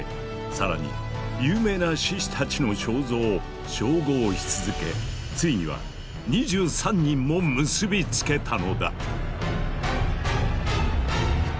さらに有名な志士たちの肖像を照合し続けついには２３人も結びつけたのだ。